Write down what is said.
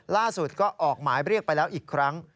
ล่าสุดก็ออกหมายเรียกไปแล้วอีกครั้ง